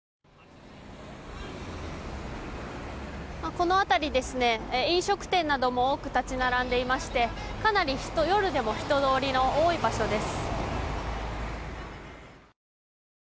この辺り、飲食店なども多く立ち並んでいましてかなり夜でも人通りの多い場所です。